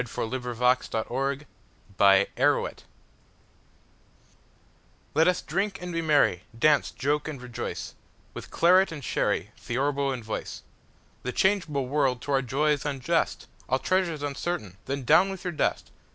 Let Us Drink and Be Merry LET us drink and be merry, dance, joke, and rejoice, With claret and sherry, theorbo and voice! The changeable world to our joy is unjust, All treasure's uncertain, Then down with your dust!